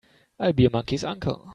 I'll be a monkey's uncle!